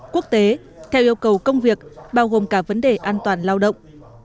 quốc tế theo yêu cầu công việc bao gồm cả vấn đề an toàn lao động